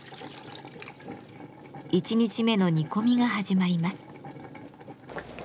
１日目の煮込みが始まります。